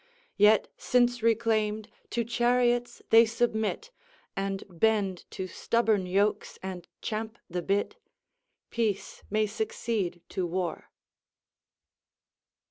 Yet, since reclaimed, to chariots they submit, And bend to stubborn yokes, and champ the bit, Peace may succeed to war."